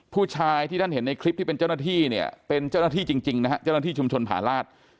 ผู้ชายที่ท่านเห็นในคลิปที่เป็นเจ้าหน้าที่เนี่ยเป็นเจ้าหน้าที่จริงนะฮะเจ้าหน้าที่ชุมชนผาราช